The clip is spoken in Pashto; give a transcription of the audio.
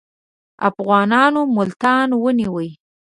افغانانو ملتان ونیوی.